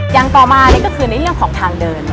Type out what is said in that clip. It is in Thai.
อย่างต่อมานี่ก็คือในเรื่องของทางเดิน